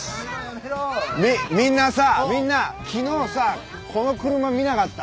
みみんなさみんな昨日さこの車見なかった？